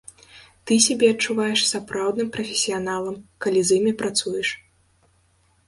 Ты сябе адчуваеш сапраўдным прафесіяналам, калі з імі працуеш.